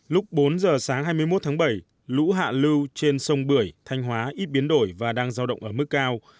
lúc bốn giờ sáng hai mươi một tháng bảy lũ hạ lưu trên sông bưởi thanh hóa ít biến đổi và đang giao động ở mức cao